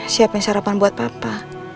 siapin sarapan buat papa